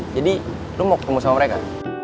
jadi lo mau ketemu sama mereka